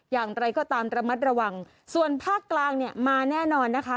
อย่างไรก็ตามระมัดระวังส่วนภาคกลางเนี่ยมาแน่นอนนะคะ